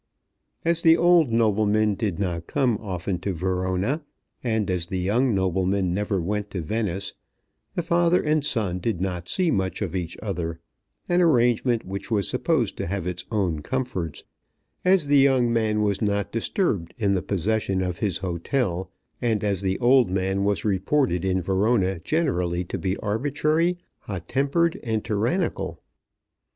As the old nobleman did not come often to Verona, and as the young nobleman never went to Venice, the father and son did not see much of each other, an arrangement which was supposed to have its own comforts, as the young man was not disturbed in the possession of his hotel, and as the old man was reported in Verona generally to be arbitrary, hot tempered, and tyrannical.